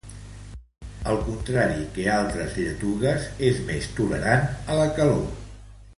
Al contrari que altres lletugues, és més tolerant a la calor.